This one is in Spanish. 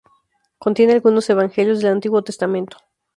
Contiene algunos evangelios del Antiguo Testamento.